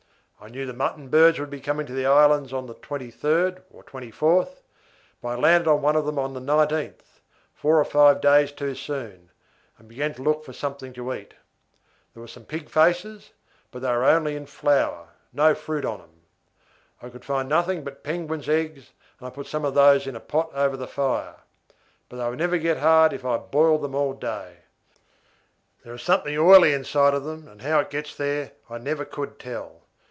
I knew the mutton birds would be coming to the islands on the 23rd or 24th, but I landed on one of them on the 19th, four or five days too soon, and began to look for something to eat. There were some pig faces, but they were only in flower, no fruit on 'em. I could find nothing but penguin's eggs and I put some of those in a pot over the fire. But they would never get hard if I boiled them all day. There is something oily inside of them, and how it gets there I never could tell.